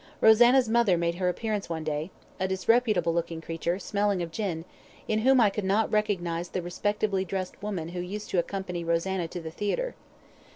Rosanna's mother made her appearance one day a disreputable looking creature, smelling of gin, in whom I could not recognise the respectably dressed woman who used to accompany Rosanna to the theatre.